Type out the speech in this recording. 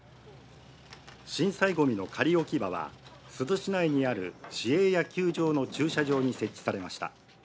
震災ごみの仮置き場は珠洲市内にある市営野球場の駐車場に設置されました。